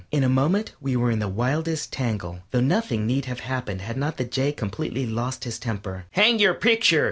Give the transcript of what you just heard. In a moment we were in the wildest tangle, though nothing need have happened had not the Jay completely lost his temper. "Hang your picture!"